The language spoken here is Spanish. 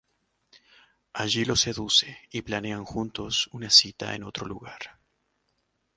Allí lo seduce y planean juntos una cita en otro lugar.